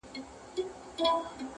o سلا د مړو هنر دئ!